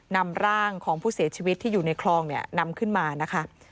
นำร่างของผู้เสียชีวิตที่อยู่ในคลองนำขึ้นมา